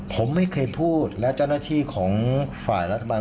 ผมไม่เคยพูดและเจ้าหน้าที่ของฝ่ายรัฐบาล